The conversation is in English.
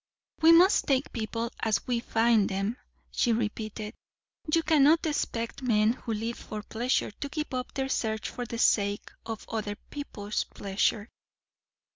"We must take people as we find them," she repeated. "You cannot expect men who live for pleasure to give up their search for the sake of other people's pleasure."